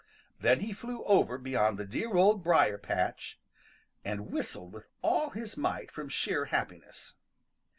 Then he flew over beyond the dear Old Briar path and whistled with all his might from sheer happiness.